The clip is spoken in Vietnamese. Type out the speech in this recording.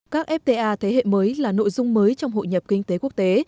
các fta thế hệ mới là nội dung mới trong hội nhập kinh tế quốc tế